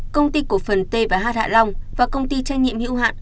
công ty cổ phần t và h hạ long và công ty trang nhiệm hiệu hạng